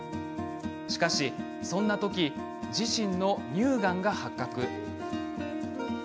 しかし、そんな時自身の乳がんが発覚。